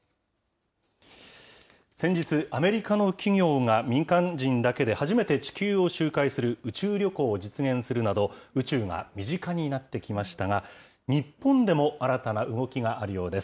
先日、アメリカの企業が民間人だけで初めて地球を周回する宇宙旅行を実現するなど、宇宙が身近になってきましたが、日本でも新たな動きがあるようです。